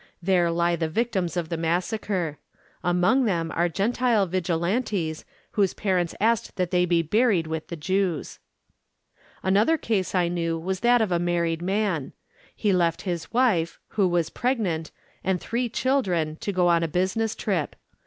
There lie the victims of the massacre. Among them are Gentile Vigilantes whose parents asked that they be buried with the Jews.... Another case I knew was that of a married man. He left his wife, who was pregnant, and three children, to go on a business trip.